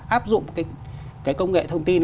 áp dụng cái công nghệ thông tin